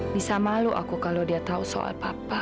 bisa malu aku kalau dia tahu soal apa